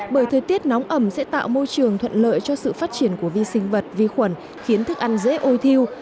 bởi thời tiết nóng ẩm sẽ tạo môi trường thuận lợi cho sự phát triển của vi sinh vật vi khuẩn khiến thức ăn dễ ôi thiêu